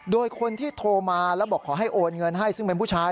โดยคนที่โทรมาแล้วบอกขอให้โอนเงินให้ซึ่งเป็นผู้ชาย